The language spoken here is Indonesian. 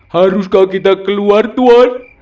haruskah kita keluar tuan